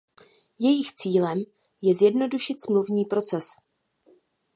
Jejich cílem je zjednodušit smluvní proces.